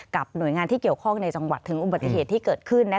หน่วยงานที่เกี่ยวข้องในจังหวัดถึงอุบัติเหตุที่เกิดขึ้น